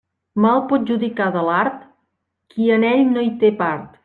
Mal pot judicar de l'art, qui en ell no hi té part.